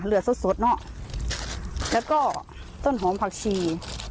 เหลือสดสดเนอะแล้วก็ต้นหอมผักชี